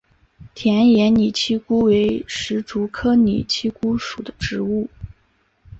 田野拟漆姑为石竹科拟漆姑属的植物。